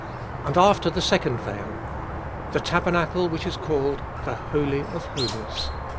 3. And after the second veil, the tabernacle which is called the Holy of Holies.